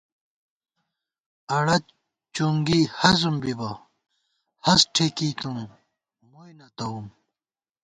اڑت چُونگی ہضم بِبَہ ہست ٹھېکِی تُم مُوئی نہ تَوُم